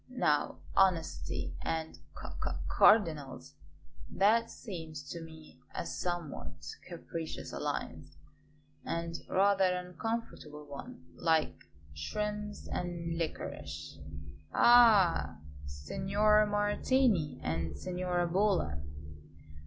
Now, honesty and c c cardinals that seems to me a somewhat capricious alliance, and rather an uncomfortable one, like shrimps and liquorice. Ah, Signor Martini, and Signora Bolla!